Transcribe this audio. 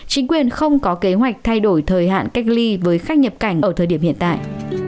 chính quyền không có kế hoạch thay đổi thời hạn cách ly với khách nhập cảnh ở thời điểm hiện tại